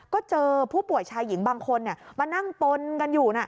ก็เจอผู้ป่วยชายหญิงบางคนมานั่งปนกันอยู่